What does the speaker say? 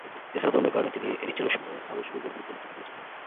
এছাড়া, ধর্মীয় কারণে তিনি রিচেলুর সঙ্গে হাবুসবুর্গের বিরুদ্ধে মিত্রতা করেছিলেন।